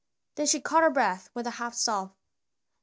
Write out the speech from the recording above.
Then she caught her breath with a half sob.